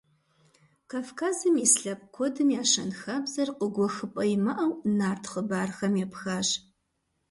Кавказым ис лъэпкъ куэдым я щэнхабзэр къыгуэхыпӀэ имыӀэу нарт хъыбархэм епхащ.